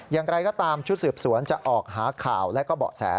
อย่างไรก็ตามชุดสืบสวนจะออกหาข่าวและก็เบาะแส